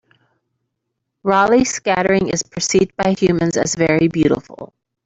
Raleigh scattering is percieved by humans as very beautiful.